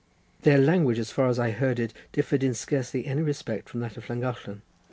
Their language, as far as I heard it, differed in scarcely any respect from that of Llangollen.